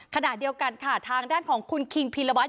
ขณะเดียวกันค่ะทางด้านของคุณคิงพีรวัตร